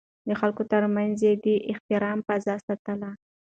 د خلکو ترمنځ يې د احترام فضا ساتله.